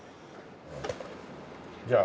じゃあ。